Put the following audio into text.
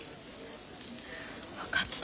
分かった。